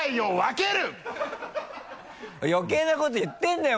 余計なこと言ってるなよ